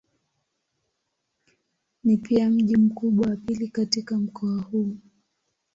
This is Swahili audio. Ni pia mji mkubwa wa pili katika mkoa huu.